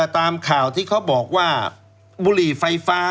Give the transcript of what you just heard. ตามข่าวที่เขาบอกว่าบุหรี่ไฟฟ้า